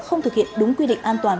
không thực hiện đúng quy định an toàn